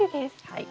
はい。